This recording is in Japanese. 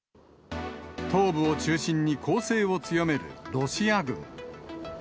東部を中心に攻勢を強めるロシア軍。